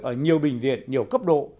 ở nhiều bình viện nhiều cấp độ